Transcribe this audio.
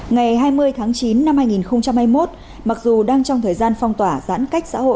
ngày hai mươi tháng chín năm hai nghìn hai mươi một mặc dù đang trong thời gian phong tỏa giãn cách xã hội